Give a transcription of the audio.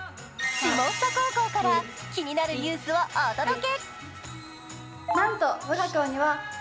下総高校から気になるニュースをお届け。